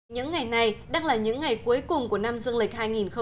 những ngày này đang là những ngày cuối cùng của năm dương lệch hai nghìn một mươi bảy